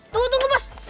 tunggu tunggu bos